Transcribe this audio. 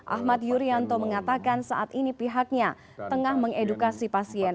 ahmad yuryanto mengatakan saat ini pihaknya tengah mengedukasi pasien